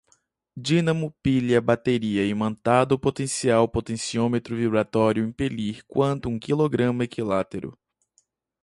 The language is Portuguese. dínamo, pilha, bateria, imantado, potencial, potenciômetro, vibratória, impelir, quantum, quilograma, equilátero